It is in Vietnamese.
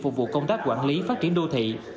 phục vụ công tác quản lý phát triển đô thị